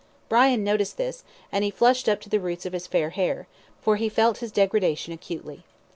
Brian noticed this, and he flushed up to the roots of his fair hair, for he felt his degradation acutely.